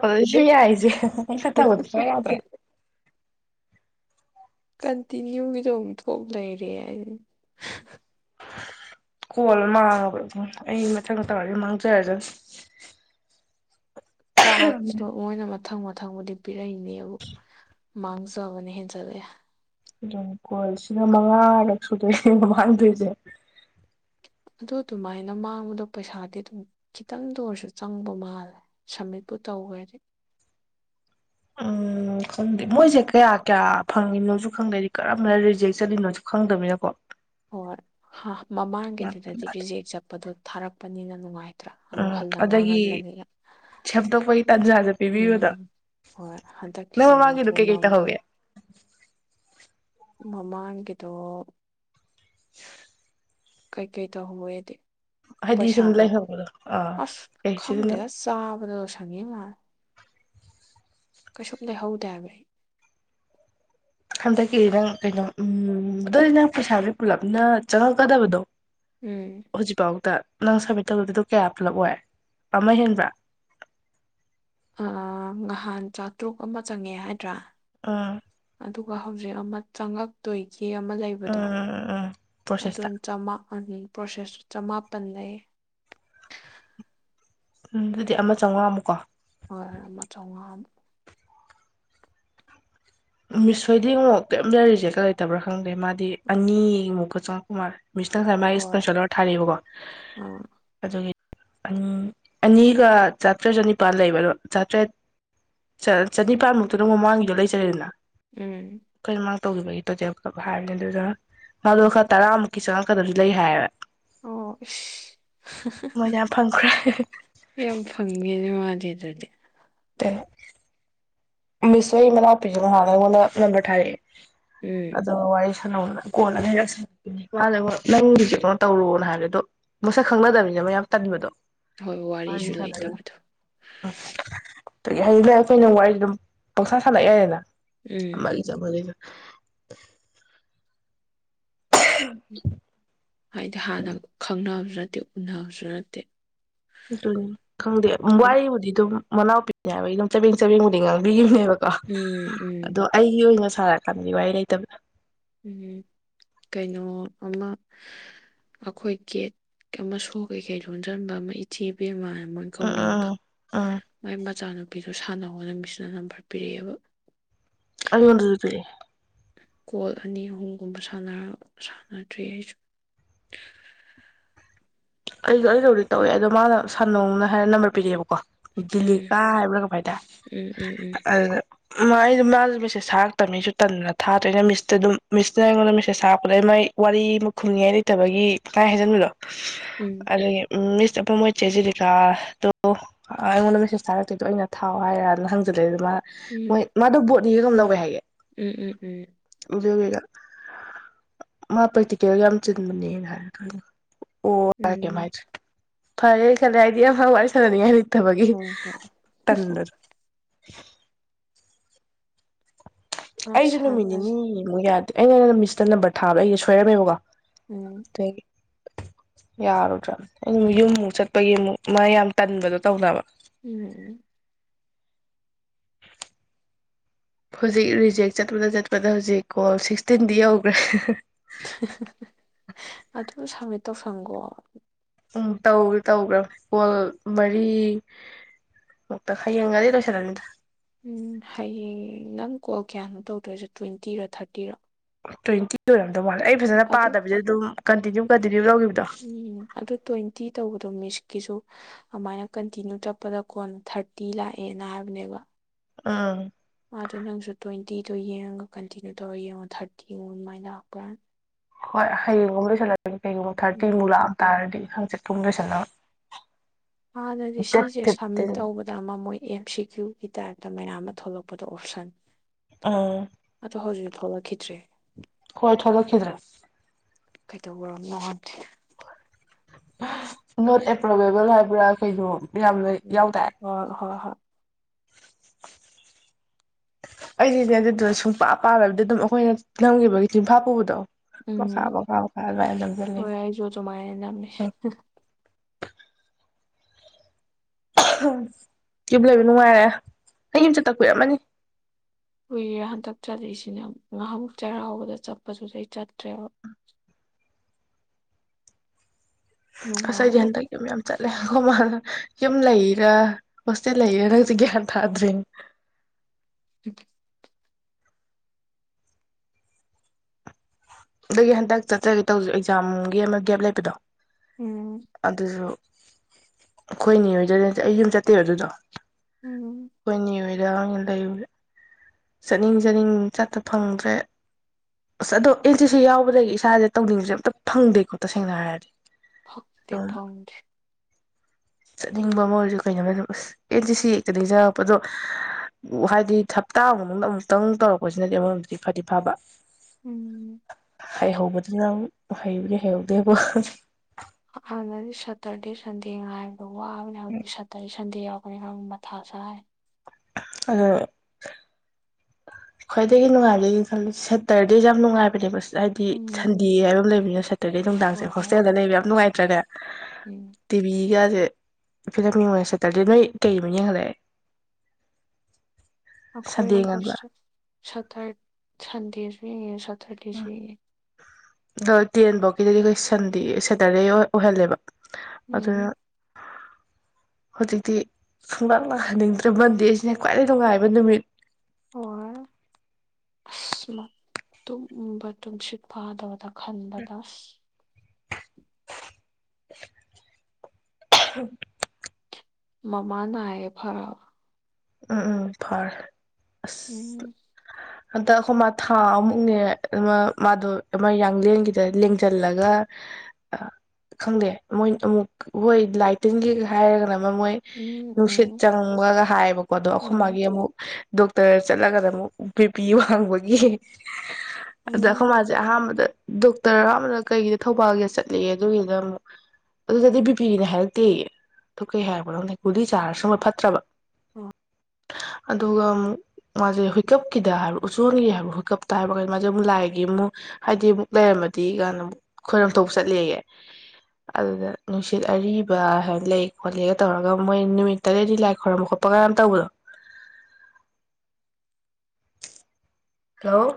ꯀꯁꯨꯏ ꯌꯥꯁ [unintelligible] ꯃ ꯆ ꯇꯒꯣꯗ ꯌꯥ꯭ꯔ ꯀꯟꯇꯤꯅ꯭ꯌꯨꯒꯤꯗ ꯑꯃꯨ ꯊꯣꯛ ꯂꯩꯔꯦ ꯍꯥꯏ ꯀꯣꯜ ꯃꯥꯡꯉꯕ ꯑꯗꯨꯝ ꯑꯩ ꯃꯊꯪ ꯇꯥꯔꯗꯤ ꯃꯥꯡꯖꯔꯒꯅ ꯇꯥꯛꯁꯤꯣ ꯃꯣꯏꯅ ꯃꯊꯪ ꯃꯊꯪꯕꯨꯗꯤ ꯄꯤꯔꯛꯏꯅꯦꯕꯨ ꯃꯥꯡꯖꯕꯅ ꯍꯦꯟꯖꯠꯂꯛꯑꯦ ꯑꯗꯨꯝ ꯀꯣꯜꯁꯤꯅ ꯃꯉꯥꯔꯛ ꯁꯨꯗꯣꯏꯅꯦ ꯃꯃꯥꯡꯗꯣꯏꯁꯦ ꯑꯗꯨ ꯑꯗꯨꯃꯥꯏꯅ ꯃꯥꯡꯕꯗꯣ ꯄꯩꯁꯥꯗꯤ ꯑꯗꯨꯝ ꯈꯤꯇꯪꯗ ꯑꯣꯏꯔꯁꯨ ꯆꯪꯕ ꯃꯥꯜꯂꯦ ꯁꯝꯃꯤꯠꯄꯨ ꯇꯧꯈ꯭ꯔꯗꯤ ꯎꯝ ꯈꯪꯗꯦ ꯃꯣꯏꯁꯦ ꯀꯌꯥ ꯀꯌꯥ ꯐꯪꯉꯤꯅꯣꯁꯨ ꯈꯪꯗꯦꯗꯤ ꯀꯔꯝꯝꯕꯅ ꯔꯤꯖꯦꯛ ꯆꯠꯂꯤꯅꯣꯁꯨ ꯈꯪꯗꯕꯅꯤꯅꯀꯣ ꯍꯣꯏ ꯒ꯭ꯌꯥꯟ ꯇꯥꯟ ꯃꯃꯥꯡꯒꯤꯗꯨꯗꯗꯤ ꯇꯥꯗꯦ ꯔꯤꯖꯦꯛ ꯆꯠꯄꯗꯣ ꯊꯥꯔꯛꯄꯅꯤꯅꯪ ꯅꯨꯡꯉꯥꯏ ꯎꯝ ꯑꯗꯒꯤ ꯁꯦꯝꯗꯣꯛꯄꯒꯤ ꯇꯥꯟꯖꯥꯁꯤ ꯎꯝ ꯍꯣꯏ ꯅꯪ ꯍꯟꯗꯛꯀꯤꯁꯤ ꯃꯨ ꯃꯃꯥꯡꯒꯤꯗꯣ ꯀꯩꯀꯩ ꯃꯔꯥꯡꯗ ꯇꯧꯍꯧꯒꯦ ꯃꯃꯥꯡꯒꯤꯗꯣ ꯀꯩꯀꯩ ꯇꯥꯍꯃꯣꯏꯗꯤ ꯍꯥꯏꯗꯤ ꯁꯨꯝ ꯄꯩꯁꯥꯗꯣ ꯂꯩꯍꯧꯕꯗꯣ ꯑꯥ ꯑꯁ ꯑꯦ ꯁꯤꯗ ꯈꯪꯗꯦ ꯅꯪ ꯑꯁ ꯆꯥꯕꯗ ꯂ ꯁꯪꯉꯤ ꯃꯥꯜꯂꯦ ꯀꯩꯁꯨꯝ ꯂꯩꯍꯧꯗꯦꯕꯩ ꯍꯟꯗꯛꯀꯤ ꯅꯪ ꯀꯩꯅꯣ ꯎꯝ ꯑꯗꯨꯗꯤ ꯅꯪ ꯄꯩꯁꯥꯥꯁ ꯄꯨꯂꯞꯅ ꯆꯪꯉꯛꯀꯗꯕꯗꯣ ꯍꯧꯖꯤꯛꯐꯥꯎꯗ ꯅꯪ ꯁꯝꯃꯤꯠ ꯇꯧꯕꯗꯗꯣ ꯀꯌꯥ ꯄꯨꯂꯞ ꯑꯣꯏ ꯑꯃ ꯍꯦꯟꯕ꯭ꯔꯥ ꯉꯍꯥꯟ ꯆꯥꯇꯔꯨꯛ ꯑꯃ ꯆꯪꯉꯦ ꯍꯥꯏꯗ꯭ꯔꯥ ꯑꯥ ꯑꯗꯨꯒ ꯍꯧꯖꯤꯛ ꯑꯃ ꯆꯪꯉꯛꯇꯣꯏꯁ ꯐꯦ ꯑꯃ ꯂꯩꯕꯗꯣ ꯎꯝ ꯎꯝ ꯄ꯭ꯔꯣꯁꯦꯁꯇ ꯑꯗꯨꯅ ꯆꯝ ꯑꯅꯤ ꯄ꯭ꯔꯣꯁꯦꯁꯁꯨ ꯆꯃꯥꯄꯟ ꯂꯩ ꯎ ꯑꯗꯨꯗꯤ ꯑꯃ ꯆꯥꯝꯃꯉꯥꯃꯨꯛꯀꯣ ꯍꯣꯏ ꯑꯃ ꯆꯣꯝꯉꯥ ꯃꯤꯁ ꯍꯣꯏꯗꯤ ꯑꯃꯨꯛ ꯀꯔꯤꯝꯇꯔꯤꯁꯦꯀ ꯂꯩꯇꯕ꯭ꯔꯥ ꯈꯪꯗꯦ ꯃꯥꯗꯤ ꯑꯅꯤꯃꯨꯛꯀ ꯆꯪꯉꯛꯄ ꯃꯥꯜꯂꯦ ꯃꯤꯁꯅ ꯉꯁꯥꯏ ꯃꯥꯒꯤ ꯍꯣꯏ ꯏꯁꯄꯣꯟ ꯁꯣꯂꯔ ꯊꯥꯔꯤꯑꯕꯀꯣ ꯑꯥ ꯑꯗꯨꯒꯤ ꯑꯅꯤꯒ ꯆꯥꯇ꯭ꯔꯦꯠ ꯆꯅꯤꯄꯥꯜ ꯂꯩꯕ ꯑꯗꯣ ꯆꯥꯇ꯭ꯔꯦꯠ ꯆꯅꯤꯄꯥꯜꯃꯨꯛꯇꯗꯝ ꯃꯃꯥꯡꯒꯤꯗꯣ ꯂꯩꯖꯔꯦꯗꯅ ꯎꯝ ꯑꯩꯈꯣꯏꯅ ꯃꯥꯡ ꯇꯧꯈꯤꯕꯒꯤ ꯇꯣꯇꯦꯜꯈꯛ ꯍꯥꯏꯕꯅꯦ ꯑꯗꯨꯗꯨꯅ ꯃꯥꯗꯣ ꯈꯔ ꯇꯔꯥꯃꯨꯛꯀꯤ ꯆꯪꯉꯛꯀꯗꯝ ꯂꯩ ꯍꯥꯏꯌꯦꯕ ꯑꯣ ꯃꯣꯏꯅ ꯌꯥꯝ ꯐꯪꯈ꯭ꯔꯦ ꯌꯥꯝ ꯐꯪꯒꯦꯅꯦ ꯃꯥꯗꯤ ꯔꯦꯗꯤ ꯇ ꯃꯤꯁꯣꯏ ꯃꯅ ꯑꯣ ꯄꯤꯖꯣ ꯍꯥꯟꯒꯅ ꯅꯝꯕꯔ ꯊꯥꯔꯦ ꯎꯝ ꯑꯗꯣ ꯋꯥꯏꯁ ꯀꯣꯂꯅ ꯍ ꯃꯥꯅ ꯅꯪꯒꯤꯁꯦ ꯀꯩꯅꯣ ꯇꯧꯔꯣꯅ ꯍꯥꯏꯕꯗ ꯑꯗꯣ ꯃꯁꯛ ꯈꯪꯅꯗꯕꯅꯤꯅ ꯃ ꯌꯥꯝ ꯇꯟꯕꯗꯣ ꯍꯣꯏ ꯃꯥꯒꯤ ꯋꯥꯔꯤꯁꯨ ꯁꯥꯟꯅꯔꯤꯅꯤ ꯂꯩꯇꯕꯗꯣ ꯑꯗꯨꯒꯤ ꯍꯥꯏꯗ ꯑꯩꯈꯣꯏꯅ ꯋꯥꯔꯤ ꯑꯗꯨꯝ ꯄꯪꯁꯥ ꯁꯥꯏ ꯑ ꯅꯅꯥ ꯎꯝ ꯑꯔꯤ ꯆ ꯃꯅꯤ [unintelligible] [unintelligible] ꯇꯛꯅꯥꯎꯁꯨ ꯅꯠꯇꯦ ꯑꯗꯨꯅꯤ ꯈꯪꯗꯦ ꯎꯝ ꯋꯥꯔꯤꯗꯤ ꯑꯗꯨꯝ ꯃꯅꯥꯎ ꯄꯤꯅꯦ ꯍꯥꯏꯕ ꯑꯗꯨꯝ ꯆꯕꯦꯡ ꯆꯕꯦꯡꯕꯨꯗꯤ ꯉꯥꯡꯕꯤꯈꯤꯕꯅꯦꯕ ꯑꯗꯣ ꯎꯝ ꯑꯩꯒꯤ ꯑꯣꯏꯅ ꯁꯥꯔꯀꯥꯟꯗꯤ ꯋꯥꯔꯤ ꯂꯩꯇꯕ꯭ꯔ ꯎ ꯀꯩꯅꯣ ꯑꯃ ꯑꯩꯈꯣꯏ ꯒꯦꯠ ꯑꯃ ꯁꯣ ꯀꯩꯀꯩ ꯂꯣꯟꯁꯤꯟꯕ ꯑꯃ ꯏꯆꯦ ꯄꯦꯝꯃ ꯃꯣꯏ ꯎꯝ ꯈꯣꯡꯅꯥꯎꯗ ꯎꯝ ꯎꯝ ꯃꯣꯏ ꯃꯆꯥꯅꯨꯄꯤ ꯑꯗꯨ ꯁꯥꯟꯅ ꯍꯣꯠꯅꯕꯤꯁꯤꯅ ꯅꯝꯕꯔ ꯄꯤꯔꯛꯑꯦꯕ ꯑꯩꯉꯣꯟꯗꯁꯨ ꯄꯤꯔꯛꯑꯦ ꯀꯣꯜ ꯑꯅꯤ ꯑꯍꯨꯝꯒꯨꯝꯕ ꯁꯥꯟꯅꯗ꯭ꯔꯤ ꯑꯩꯁꯨ ꯑꯩꯁꯨ ꯑꯩꯗꯧꯗꯤ ꯇꯧꯋꯦ ꯑꯗꯣ ꯃꯥꯅ ꯁ ꯁꯥꯥꯟꯗꯣꯡꯅ ꯍꯥꯏꯔꯒ ꯅꯝꯕꯔ ꯄꯤꯔꯛꯑꯦꯀꯣ ꯀꯣ ꯎꯝ ꯗꯤꯂꯤꯀꯥ ꯍꯥꯏꯕ꯭ꯔ ꯀꯚꯥꯏꯗ ꯎꯝ ꯎꯝ ꯑꯗꯨ ꯃꯥ ꯑꯩꯗ ꯃꯥꯁꯨ ꯃꯦꯁꯦꯖ ꯊꯔꯛꯇꯕꯅꯤ ꯑꯩꯁꯨ ꯇꯟꯗꯅ ꯊꯥꯗ꯭ꯔꯣꯏꯩꯅ ꯃꯤꯁꯇ ꯑꯗꯨꯝ ꯃꯤꯁꯅ ꯑꯩꯉꯣꯟꯗ ꯃꯦꯁꯦꯖ ꯊꯔꯛꯄꯗ ꯑꯩ ꯃꯥꯏ ꯋꯥꯔꯤ ꯑꯃ ꯈꯨꯝꯅꯤꯡꯉꯥꯏ ꯂꯩꯇꯕꯒꯤ ꯥꯏ ꯍꯥꯏꯖꯟꯕꯗꯣ ꯎꯝ ꯑꯗꯩ ꯃꯤꯁ ꯆꯠꯐꯝ ꯑꯣꯏꯇꯦ ꯖꯤꯂꯤꯀꯥꯗꯣ ꯑꯩꯉꯣꯟꯗ ꯃꯦꯁꯦꯁ ꯊꯥꯔꯛꯇꯦꯗꯣ ꯑꯩꯅ ꯊꯥꯎ ꯍꯥꯏꯔꯅ ꯍꯪꯖꯜꯂꯛꯦ ꯑꯗꯨꯗꯣ ꯎꯝ ꯃꯣꯏ ꯃꯥ ꯂꯥ ꯀꯩꯅꯣꯝ ꯂꯧꯋꯦ ꯍꯥꯏꯌꯦ ꯎꯝ ꯎꯝ ꯎꯝ ꯑꯗꯨꯒꯤꯒ ꯃꯥ ꯄꯩ ꯇꯤꯀꯦ ꯌꯥꯝ ꯆꯤꯟꯕꯅꯦꯅ ꯍꯥꯏꯔꯩꯅ ꯃꯥꯏ ꯎꯝ ꯀꯔꯤꯝ ꯍꯩꯏꯗꯔꯦ ꯐꯔ ꯀꯦ ꯍꯥꯏꯥꯏꯗꯤꯥꯎ ꯃ ꯋꯥꯔꯤ ꯆꯜꯅ ꯅ ꯍꯥꯏ ꯕꯒꯤ ꯍꯣꯏ ꯍꯣꯏ ꯇꯗꯔ [unintelligible] ꯑ ꯑꯩꯁꯨ ꯅꯨꯃꯤꯠ ꯁꯥꯟꯅꯁꯦ ꯅꯤꯅꯤ ꯑꯃꯨꯛ ꯌꯥꯗ꯭ꯔꯦ ꯑꯩꯅ ꯃꯤꯁꯇ ꯅꯝꯕꯔ ꯊꯥꯕ ꯑꯩꯁꯦ ꯁꯣꯏꯔꯝꯃꯦꯕꯀꯣ ꯎꯝ ꯌꯥꯔꯣꯏꯗ꯭ꯔꯥ ꯑꯗꯨ ꯌꯨꯝꯃꯨꯛ ꯆꯠꯄꯒꯤ ꯑꯃꯨꯛ ꯃꯥ ꯌꯥꯝ ꯇꯟꯕꯗꯣ ꯇꯧꯅꯕ ꯎꯝ ꯍꯧꯖꯤꯛ ꯔꯤꯖꯦꯛ ꯆꯠꯄꯗ ꯆꯠꯄꯗ ꯍꯧꯖꯤꯛ ꯀꯣꯜ ꯁꯤꯛꯁꯇꯤꯟꯗꯤ ꯌꯧꯈ꯭ꯔꯦ ꯑꯗꯨꯝ ꯁꯝꯃꯤꯠ ꯇꯧꯁꯪꯈꯣ ꯎꯝ ꯇꯧ ꯇꯧꯕ꯭ꯔꯥ ꯀꯣꯜ ꯃꯔꯤ ꯃꯨꯛꯇ ꯈꯌꯦꯡꯉꯗꯤ ꯂꯣꯏꯁꯜꯂꯅꯤꯗ ꯎꯝ ꯍꯌꯦꯡ ꯅꯪ ꯀꯣꯜ ꯀꯌꯥꯅꯣ ꯇꯧꯗꯣꯏꯁꯦ ꯇ꯭ꯋꯦꯟꯇꯤꯔꯥ ꯊꯥꯔꯇꯤꯔꯣ? ꯇ꯭ꯋꯦꯟꯇꯤ ꯇꯨ ꯑꯗꯨꯃꯅ ꯑꯩ ꯐꯖꯅ ꯑꯗꯣ ꯄꯥꯗꯕꯤꯁꯦ ꯑꯗꯨꯝ ꯀꯟꯤꯟꯅꯌꯨꯗ ꯎꯝ ꯑꯗꯨ ꯇ꯭ꯋꯦꯟꯇꯤ ꯇꯧꯕꯗꯣ ꯃꯤꯁꯀꯤꯁꯨ ꯑꯗꯨꯃꯥꯏꯅ ꯀꯟꯇꯤꯅ꯭ꯨ ꯆꯠꯄꯗ ꯀꯣꯟ ꯊꯥꯔꯇꯤ ꯂꯥꯛꯑꯦꯅ ꯍꯥꯏꯕꯅꯦꯕ ꯑꯥ ꯃꯥꯗꯣ ꯅꯪꯁꯨ ꯇ꯭ꯋꯦꯟꯇꯤꯗꯣ ꯌꯦꯡꯉꯒ ꯀꯟꯇꯤꯅ꯭ꯌꯨ ꯇꯧꯔꯒ ꯌꯦꯡꯉꯣ ꯊꯥꯔꯇꯤ ꯑꯗꯨꯃꯥꯏꯅ ꯂꯥꯛꯄ꯭ꯔꯥꯅ ꯍꯣꯏ ꯍꯌꯦꯡꯒꯨꯝꯕ ꯂꯣꯏꯁꯜꯂꯦ ꯀꯩꯒꯨꯝꯕ ꯊꯥꯔꯇꯤꯃꯨꯛ ꯎꯝ ꯂꯑ ꯇꯥꯔꯗꯤ ꯍꯪꯆꯤꯠ [unintelligible] ꯂꯣꯏꯁꯟꯂꯥꯒ ꯍꯥꯟꯅꯗꯤ ꯁꯤꯁꯦ ꯁꯝꯃꯤꯠ ꯇꯧꯕꯗ ꯃꯃꯣꯏ ꯑꯦꯝ ꯁꯤ ꯀ꯭ꯌꯨꯒꯤ ꯇꯥꯏꯞꯇ ꯃꯌꯥꯝ ꯑꯃ ꯊꯣꯛꯂꯛꯄꯗ ꯑꯣꯞꯁꯟ ꯑꯥ ꯊꯂ ꯀꯦꯇ꯭ꯔꯦ ꯍꯣꯏ ꯊꯣꯛꯂꯛꯈꯤꯗ꯭ꯔꯦ ꯀꯩꯗꯧꯕꯔꯝ ꯅꯍꯟ ꯅꯣꯠ ꯑꯦꯞ ꯄ꯭ꯔꯣꯕꯦꯕꯜ ꯍꯥꯏꯕ꯭ꯔ ꯀꯩꯅꯣ ꯌꯥꯝꯅ ꯎꯝ ꯌꯥꯎꯗꯥꯏ ꯍ ꯍꯣꯏ ꯍꯣꯏ ꯑꯩꯁꯤꯗꯤ ꯑꯗꯨꯗꯨꯅ ꯁꯨꯡꯄꯥ ꯄꯥꯂꯔꯕꯗꯤ ꯑꯗꯨꯝ ꯑꯩꯈꯣꯏꯅ ꯅꯝꯈꯤꯕꯒꯤ ꯏꯝꯐꯥ ꯄꯨꯕꯗꯣ ꯃꯈꯥ ꯎꯝ ꯃꯈꯥ ꯃꯈꯥ ꯑꯗꯨꯃꯥꯏꯅ ꯅꯝꯁꯤꯜꯂꯤ ꯍꯣꯏ ꯑꯩꯖꯁꯨꯣ ꯃꯥꯥꯏꯅꯝꯅꯤ ꯎꯝ ꯌꯨꯝ ꯂꯩꯕ ꯅꯨꯡꯉꯥꯏꯔꯦ ꯍ ꯌꯨꯝꯆꯠ ꯇꯛꯄꯤꯔꯝꯃꯅꯤ ꯀꯨꯏꯔꯦ ꯍꯟꯗꯛ ꯆꯠꯂꯤꯁꯤꯅ ꯉꯥꯏꯍꯥꯃꯨꯛ ꯆꯩꯔꯥꯎꯕꯗ ꯆꯠꯄꯁꯨꯗꯤ ꯑꯩ ꯆꯠꯇ꯭ꯔꯦꯕ ꯑꯁ ꯑꯩꯗꯤ ꯅꯨꯡꯉꯥꯏ ꯍꯟꯗꯛꯇꯤ꫰ꯌꯨꯝ ꯌꯥꯝ ꯆꯥ ꯌꯨꯝ ꯂꯩꯔ ꯍꯣꯁꯇꯦꯜ ꯂꯩꯔ ꯅꯪ ꯍꯧꯖꯤꯛ ꯒ꯭ꯌꯥꯟ ꯇꯥꯗ꯭ꯔꯤ [inaudible] ꯑꯗꯨꯗꯒꯤ ꯍꯟꯗꯛ ꯆꯠꯆꯒꯦ ꯇꯧ ꯑꯦꯛꯖꯥꯝꯒꯤ ꯑꯃ ꯒꯦꯞ ꯂꯩꯕꯗꯣ ꯎꯝ ꯑꯗꯨꯁꯨ ꯑꯩꯈꯣꯏꯅꯦ ꯑꯣꯏꯖꯗ ꯑꯩ ꯌꯨꯝ ꯆꯠꯇꯦ ꯑꯗꯨꯗꯣ ꯎꯝ ꯍꯣꯏꯅꯦ ꯌ [unintelligible] ꯆꯠꯅꯤꯡ ꯆꯠꯅꯤꯡ ꯆꯠꯇ ꯐꯪꯗ꯭ꯔꯦ ꯑꯁ ꯑꯗꯣ ꯑꯦꯟ ꯁꯤ ꯁꯤ ꯌꯥꯎꯕꯗꯒꯤ ꯏꯁꯥꯁꯦ ꯇꯧꯅꯤꯡꯕꯁꯦ ꯑꯝꯇ ꯐꯪꯗꯦꯀꯣ ꯇꯁꯦꯡꯅ ꯍꯥꯏꯔꯗꯤ ꯐꯪꯗꯦ ꯑꯗꯨꯝ ꯐꯪꯗꯦ ꯆꯠꯅꯤꯡꯕ ꯑꯃ ꯑꯣꯏꯔꯁꯨ ꯀꯩꯅꯣ ꯑꯁ ꯑꯦꯟꯗꯤ ꯁꯤ ꯍꯛꯇꯅꯤꯖꯉꯔꯛꯄꯗꯣ ꯍꯥꯏꯗꯤ ꯍꯞꯇꯥ ꯃꯅꯨꯡꯗ ꯑꯃꯨꯛꯇꯪ ꯇꯧꯔꯛꯄꯁꯤꯅꯗꯤ ꯑꯃꯔꯣꯝꯗꯗꯤ ꯐꯗꯤ ꯐꯕ ꯎꯝ ꯍꯩꯍꯧꯕꯗꯨꯅꯪ ꯍꯩꯕꯗꯤ ꯍꯩꯍꯧꯗꯦꯀꯣ ꯍꯟꯅꯗꯤ ꯁꯥꯇꯔꯦꯗꯦ ꯁꯟꯗꯦ ꯉꯥꯏꯕꯗ ꯋꯥꯔꯦ ꯁꯥꯇꯔꯦꯗꯦ ꯁꯟꯗꯦ ꯃꯊꯥꯁꯥꯢ ꯑꯗꯣ ꯈ꯭ꯋꯥꯏꯗꯒꯤ ꯅꯨꯡꯉꯥꯏꯗꯅꯤ ꯈꯜꯂꯤ ꯁꯦꯇꯔꯗꯦꯁ ꯌꯥꯝ ꯅꯨꯡꯉꯥꯏꯕꯅꯦꯕ ꯍꯥꯏꯗꯤ ꯁꯟꯗꯦ ꯎꯝ ꯍꯥꯏꯕ ꯑꯃ ꯂꯩꯕꯅꯤꯅ ꯁꯦꯇꯔꯗꯦ ꯅꯨꯡꯗꯥꯡꯁꯦ ꯍꯣꯏ ꯍꯣꯏ ꯍꯣꯁꯇꯦꯜꯗ ꯂꯩꯕ ꯌꯥꯝ ꯉꯥꯏꯇꯦ ꯆꯠꯂꯦ ꯎꯝ ꯇꯤꯕꯤ ꯗꯦ ꯐꯤꯂꯝ ꯃꯤ ꯁꯠꯇꯔꯗꯤ ꯅꯣꯏ ꯀꯩ ꯃ ꯈꯔ ꯑꯈꯣꯏ ꯍꯣꯁꯇꯦꯜ ꯁꯠꯇꯔ ꯁꯟꯗꯤꯁꯨ ꯌꯦꯡꯉꯦ ꯁꯇꯔꯗꯦꯁꯨ ꯌꯦꯡꯉꯦ ꯑꯗ ꯇꯦꯟꯐꯧꯀꯤꯗꯗꯤ ꯑꯩꯈꯣꯏ ꯁꯟꯗꯦ ꯁꯦꯇꯔꯗꯦ ꯑꯣꯏꯍꯜꯂꯦꯕ ꯑꯗꯨꯅ ꯎꯝ ꯍꯧꯖꯤꯛꯇꯤ ꯁꯨꯡꯂꯥꯛ ꯂꯥꯛꯍꯟꯅꯤꯡꯗ꯭ꯔꯦ ꯃꯟꯗꯦꯁꯤꯅ ꯈ꯭ꯋꯥꯏꯗꯒꯤ ꯅꯨꯡꯉꯥꯏꯕ ꯅꯨꯃꯤꯠ ꯑꯣ ꯑꯁ ꯇꯨꯝꯕ ꯇꯁꯤꯠ ꯐꯥꯗꯕꯗ ꯇꯟꯕ ꯇꯁ [unintelligible] [unintelligible] ꯃꯃꯥ ꯅꯥꯏ ꯐꯔꯕ ꯎꯝ ꯎꯝ ꯐꯔꯦ ꯑꯁ ꯎꯝ ꯍꯟꯗꯛ ꯑꯩꯈꯣꯏ ꯃꯥ ꯊꯥ ꯑꯃꯨꯛꯅꯦ ꯑꯃ ꯃꯥꯗꯣ ꯑꯃ ꯌꯥꯡꯂꯡꯂꯦꯟꯒꯤꯗ ꯂꯦꯡꯁꯤꯜꯂꯒ ꯈꯪꯗꯦ ꯃꯣꯏ ꯑꯃꯨꯛ ꯍꯣꯏ ꯂꯥꯏ ꯇꯤꯟꯒꯤ ꯍꯥꯏꯔꯒꯅ ꯃꯣꯏ ꯅꯨꯡꯁꯤꯠ ꯎꯝ ꯆꯪꯕꯒ ꯍꯥꯏꯕꯀꯣ ꯑꯗꯣ ꯑꯩꯈꯣꯏ ꯎꯝ ꯃꯥꯒꯤ ꯑꯃꯨꯛ ꯗꯣꯛꯇꯔ ꯆꯠꯂꯒꯗ ꯑꯃꯨꯛ ꯕꯦꯄꯤ ꯋꯥꯡꯕꯒꯤ ꯑꯈꯣꯏ ꯎꯝ ꯃꯥꯁꯦ ꯑꯍꯥꯟꯕꯗ ꯗꯣꯛꯇꯔ ꯑꯃꯅ ꯀꯩꯒꯤꯅ ꯊꯧꯕꯥꯜꯒꯤ ꯆꯠꯂꯦ ꯑꯗꯨꯒꯤꯗ ꯑꯃꯨꯛ ꯑꯗꯨꯗꯗꯤ ꯕꯤꯄꯤꯒꯤꯅꯦ ꯍꯥꯏꯔꯛꯇꯦ ꯀꯩ ꯍꯥꯏꯔꯛꯄꯅꯣ ꯒꯨꯂꯤ ꯆꯥꯔ ꯁꯨꯡꯐꯠ ꯐꯠꯇ꯭ꯔꯕ ꯑꯣ ꯑꯗꯨꯒ ꯑꯃꯨꯛ ꯃꯥꯁꯦ ꯍꯨꯏꯀꯞꯀꯤꯗ ꯍꯥꯏꯕ ꯎꯆꯁꯣꯟꯒꯤ ꯍꯥꯏꯕ ꯍꯨꯏꯀꯞꯇ ꯍꯥꯏꯕ ꯀꯥꯟ ꯃꯥꯁꯦ ꯑꯃꯨꯛ ꯂꯥꯏꯒꯤ ꯑꯃꯨꯛ ꯍꯥꯏꯗꯤ ꯑꯃꯨꯛ ꯂꯩꯔꯝꯃꯗꯤ ꯀꯥꯏꯅ ꯑꯃꯨꯛ ꯈꯣꯏꯔꯝ ꯊꯣꯛ ꯆꯠꯂꯦꯒ ꯑꯗꯨꯗ ꯅꯨꯡꯁꯤꯠ ꯑꯔꯤꯕ ꯍꯥꯏ ꯂꯩ ꯈꯣꯠꯂꯦꯒ ꯇꯧꯔꯒ ꯃꯣꯏ ꯅꯨꯃꯤꯠ ꯇꯔꯦꯠꯗꯤ ꯂꯥꯏ ꯈꯣꯏꯔꯝꯕ ꯈꯣꯠꯄ ꯄꯒ ꯌꯥꯝ ꯇꯧꯕꯗꯣ ꯍꯜꯂꯣ